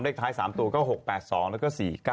ท้าย๓ตัวก็๖๘๒แล้วก็๔๙